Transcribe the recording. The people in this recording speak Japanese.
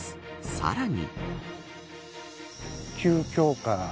さらに。